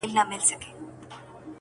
ما پر اوو دنياوو وسپارئ، خبر نه وم خو.